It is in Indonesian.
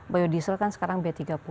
biodiesel kan sekarang b tiga puluh